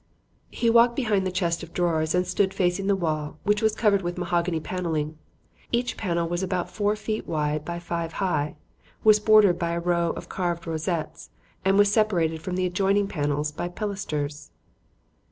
He walked behind the chest of drawers and stood facing the wall which was covered with mahogany paneling. Each panel was about four feet wide by five high, was bordered by a row of carved rosettes and was separated from the adjoining panels by pilasters.